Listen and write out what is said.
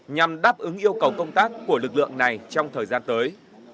nhằm đáp ứng yêu cầu công tác của lực lượng này trong thời gian tới